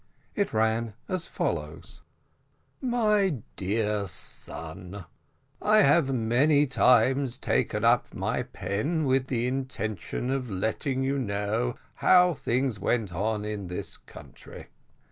It ran as follows: "MY DEAR SON: "I have many times taken up my pen with the intention of letting you know how things went on in this country.